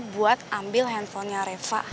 buat ambil handphonenya reva